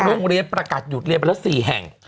โรงเรียนประกาศหยุดเรียนไปแล้ว๔แห่ง